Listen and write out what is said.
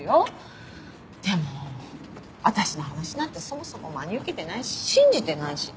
でも私の話なんてそもそも真に受けてないし信じてないし。